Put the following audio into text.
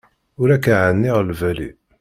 Ur ak-ɛniɣ lbali.